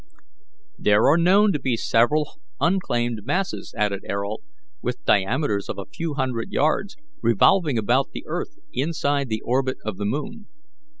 "There are known to be several unclaimed masses," added Ayrault, "with diameters of a few hundred yards, revolving about the earth inside the orbit of the moon.